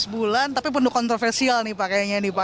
lima belas bulan tapi penuh kontroversial nih pak kayaknya nih pak